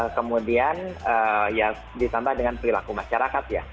kemudian ya ditambah dengan perilaku masyarakat ya